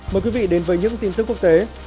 mời quý vị đến với những tin tức quốc tế